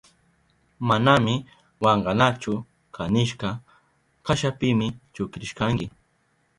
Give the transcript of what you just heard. Manami wankanachu kanishka kashapimi chukrishkanki.